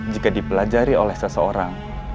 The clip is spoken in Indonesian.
jika dipelajari oleh seseorang